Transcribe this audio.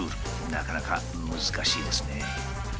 なかなか難しいですね。